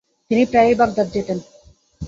তিনি প্রায়ই বাগদাদ যেতেন।